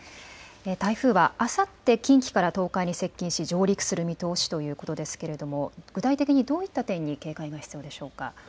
台風はあさって近畿から東海に接近し上陸する見通しということですが具体的にどういった点に警戒が必要でしょうか。